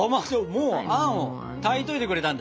もうあんを炊いといてくれたんだ？